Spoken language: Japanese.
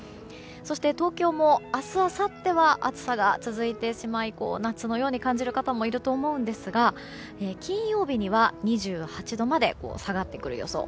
そして、東京も明日あさっては暑さが続いてしまい夏のように感じる方もいると思うんですが金曜日には、２８度まで下がってくる予想。